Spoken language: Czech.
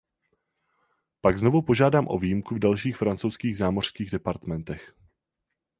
Pak znovu požádám o výjimku v dalších francouzských zámořských departmentech.